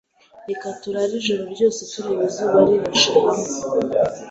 Reka turare ijoro ryose turebe izuba rirashe hamwe.